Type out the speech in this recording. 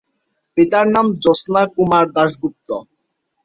পিতার নাম জ্যোৎস্না কুমার দাশগুপ্ত।